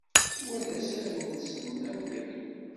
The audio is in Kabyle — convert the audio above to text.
Wa d asaru-nsen aneggaru.